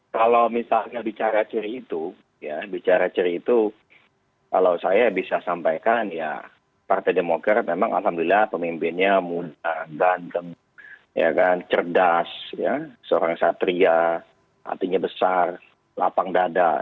kalau misalnya bicara ceri itu kalau saya bisa sampaikan ya partai demokrat memang alhamdulillah pemimpinnya muda ganteng cerdas seorang satria hatinya besar lapang dada